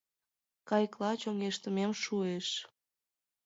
Кайыкла чоҥештымем шуэш.